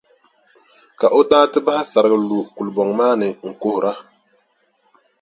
Ka o daa ti bahi sarigi lu kulibɔŋ maa ni n-kuhira.